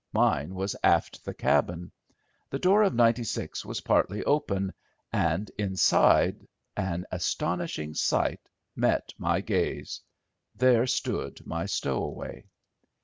Mine was aft the cabin. The door of 96 was partly open, and inside an astonishing sight met my gaze. There stood my stowaway.